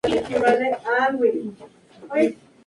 Como jugador actuaba como delantero.